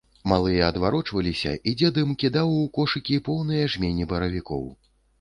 Малыя адварочваліся, і дзед ім кідаў у кошыкі поўныя жмені баравікоў.